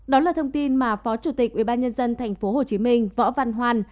đó là thông tin mà phó chủ tịch ubnd tp hcm võ văn hoan